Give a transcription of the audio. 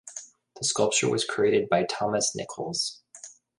The sculpture was created by Thomas Nicholls.